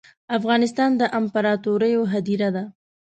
افغانستان ده امپراتوریو هدیره ده